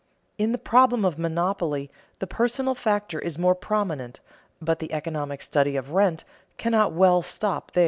In the problem of monopoly the personal factor is more prominent, but the economic study of rent cannot well stop there.